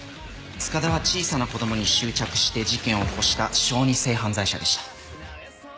塚田は小さな子供に執着して事件を起こした小児性犯罪者でした。